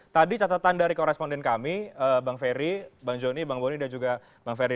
tadi catatan dari koresponden kami bang ferry bang joni bang boni dan juga bang ferry